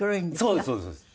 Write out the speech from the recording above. そうですそうです。